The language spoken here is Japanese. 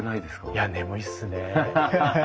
いや眠いっすね。